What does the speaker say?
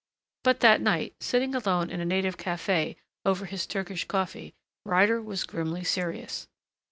But that night, sitting alone in a native café over his Turkish coffee, Ryder was grimly serious.